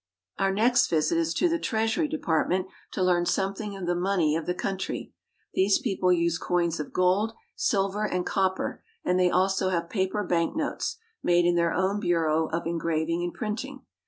Our next visit is to the Treasury Department to learn something of the money of the country. These people use coins of gold, silver, and copper, and they also have paper bank notes, made in their own Bureau of Engraving and Printing.